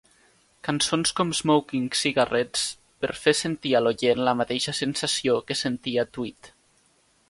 Cançons com "Smoking Cigarettes" per fer sentir a l'oient la mateixa sensació que sentia Tweet.